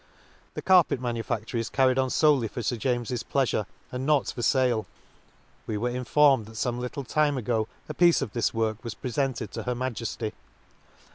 — The carpet manufactory is carried on folely for Sir James's pleafure and not for fale; we were informed that fome little time ago a piece of this work was prefented to her Majefty.